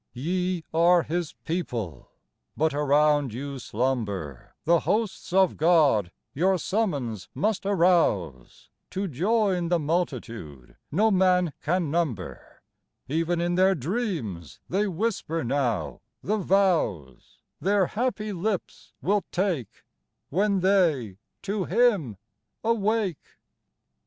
Ye are His people ; but around you slumber The hosts of God your summons must arouse To join the multitude no man can number ; Even in their dreams they whisper now the vows Their happy lips will take When they to Him awake.